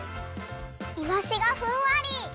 いわしがふんわり！